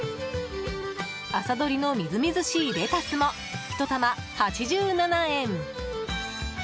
朝どりのみずみずしいレタスもひと玉８７円。